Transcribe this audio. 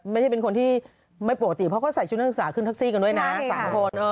เป็นคนที่ไม่ปกติเพราะเขาใส่ชุดนักศึกษาขึ้นแท็กซี่กันด้วยนะ๓คน